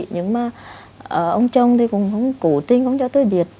nhưng mà ông chồng thì cũng không cố tin không cho tôi biết